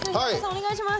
お願いします。